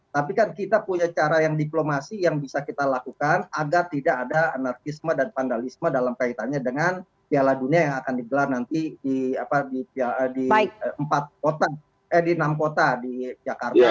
tapi kan kita punya cara yang diplomasi yang bisa kita lakukan agar tidak ada anarkisme dan vandalisme dalam kaitannya dengan piala dunia yang akan digelar nanti di enam kota di jakarta